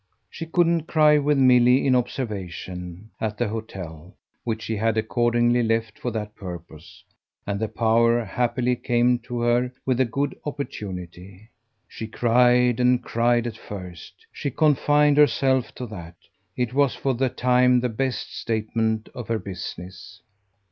She couldn't cry, with Milly in observation, at the hotel, which she had accordingly left for that purpose; and the power happily came to her with the good opportunity. She cried and cried at first she confined herself to that; it was for the time the best statement of her business.